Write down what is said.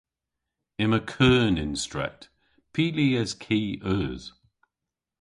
Yma keun y'n stret. Py lies ki eus?